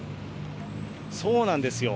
そうなんですよ。